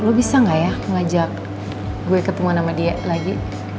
lo bisa gak ya ngajak gue ketemu sama dia lagi